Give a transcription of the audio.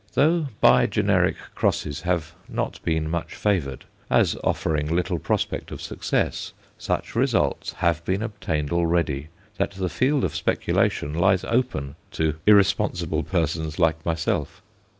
Though bi generic crosses have not been much favoured, as offering little prospect of success, such results have been obtained already that the field of speculation lies open to irresponsible persons like myself.